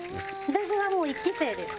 私はもう１期生です。